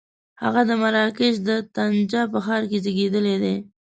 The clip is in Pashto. هغه د مراکش د طنجه په ښار کې زېږېدلی دی.